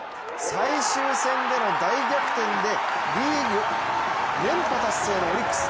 最終戦での大逆転でリーグ連覇達成のオリックス。